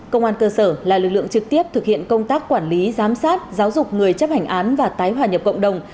công an cơ sở là lực lượng trực tiếp thực hiện công tác quản lý giám sát giáo dục người chấp hành án và tái hòa nhập cộng đồng